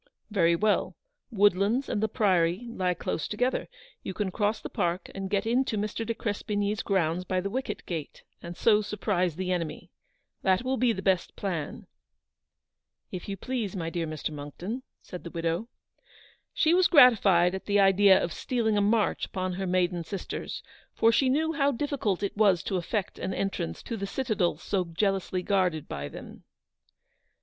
"Very well; Woodlands and the Priory lie close together. You can cross the park and get into Mr. de Crespigny's grounds by the wicket gate, and so surprise the enemy. That will be the best plan." " If you please, my dear Mr. Monckton," said the widow. She was gratified at the idea of stealing a march upon her maiden sisters, for she knew how diffi cult it was to effect an entrance to the citadel so jealously guarded by them.